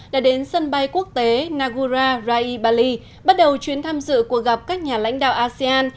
đã đến sân bay quốc tế nagura rai bali bắt đầu chuyến tham dự cuộc gặp các nhà lãnh đạo asean